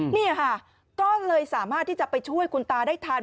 นี่ค่ะก็เลยสามารถที่จะไปช่วยคุณตาได้ทัน